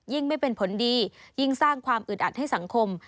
ไม่เป็นผลดียิ่งสร้างความอึดอัดให้สังคม